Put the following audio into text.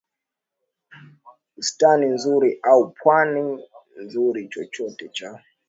bustani nzuri au pwani nzuri Chochote cha